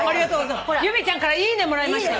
由美ちゃんからいいねもらいました。